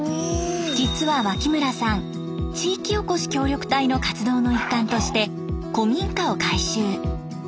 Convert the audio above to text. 実は脇村さん地域おこし協力隊の活動の一環として古民家を改修。